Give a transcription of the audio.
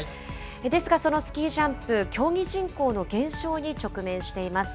ですが、そのスキージャンプ、競技人口の減少に直面しています。